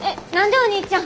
お兄ちゃん。